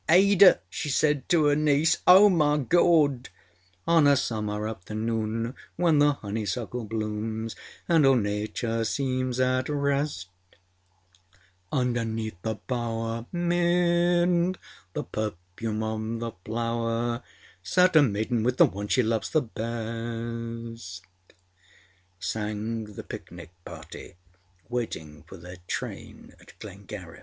âAda,â she said to her nieceâ¦ Oh, my Gawd!ââ¦ âOn a summer afternoon, when the honeysuckle blooms, And all Nature seems at rest, Underneath the bower, âmid the perfume of the flower, Sat a maiden with the one she loves the bestâââ sang the picnic party waiting for their train at Glengariff.